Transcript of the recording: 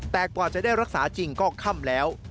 แต่กว่าจะได้รักษาจริงก็ค่ำแล้ว